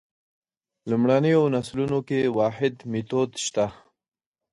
لومړنیو نسلونو کې واحد میتود شته.